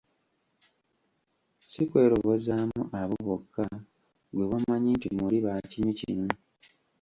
Si kwerobozaamu abo bokka ggwe b'omanyi nti muli bakinywi kimu.